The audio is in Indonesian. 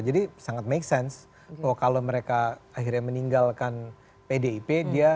jadi sangat make sense kalau mereka akhirnya meninggalkan pdip